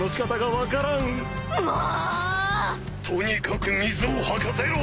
とにかく水を吐かせろ！